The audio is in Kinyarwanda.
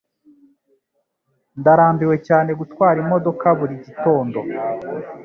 Ndarambiwe cyane gutwara imodoka buri gitondo.